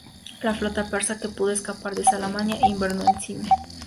La flota persa que pudo escapar de Salamina invernó en Cime.